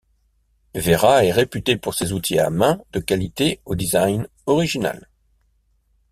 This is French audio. Wera est réputée pour ses outils à main de qualité au design original.